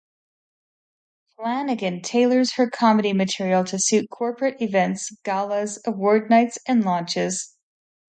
Flanagan tailors her comedy material to suit corporate events, galas, award nights and launches.